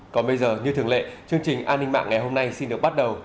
còn bây giờ như thường lệ chương trình an ninh mạng ngày hôm nay xin được bắt đầu